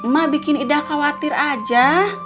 mak bikin ida khawatir aja